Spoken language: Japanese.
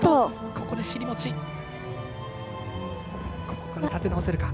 ここから立て直せるか。